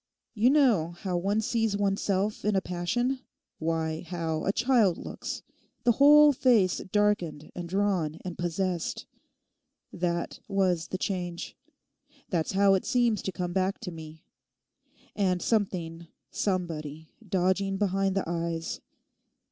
'You know how one sees oneself in a passion—why, how a child looks—the whole face darkened and drawn and possessed? That was the change. That's how it seems to come back to me. And something, somebody, dodging behind the eyes.